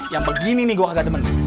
yang begini nih gue agak demen